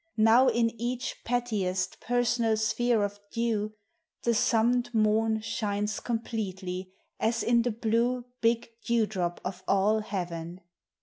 Now in each pettiest, personal sphere of dew The summed morn shines complete as in the blue, Big dew drop of all Heaven.